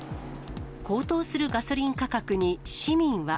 高騰するガソリン価格に市民は。